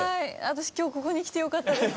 私今日ここに来てよかったです。